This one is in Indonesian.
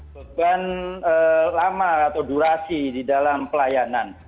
beban lama atau durasi di dalam pelayanan